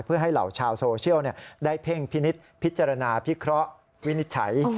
เพื่อให้เหล่าชาวโซเชียลได้เพ่งพินิษฐ์พิจารณาพิเคราะห์วินิจฉัย